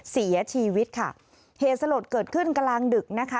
เสียชีวิตค่ะเหตุสลดเกิดขึ้นกลางดึกนะคะ